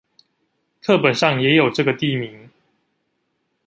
課本上也有這個地名